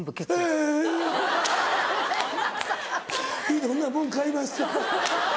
いろんなもん買いました